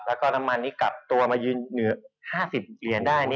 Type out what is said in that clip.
แล้วก็น้ำมันที่กลับตัวมายืนเหนือ๕๐เหรียญได้